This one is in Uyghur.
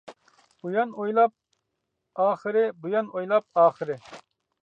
ئۇيان ئويلاپ ئاخىرى، بۇيان ئويلاپ ئاخىرى.